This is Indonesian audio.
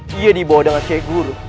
dia dibawa dengan syekh guru